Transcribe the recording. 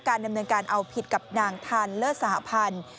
ดำเนินการเอาผิดกับนางทันเลิศสหพันธ์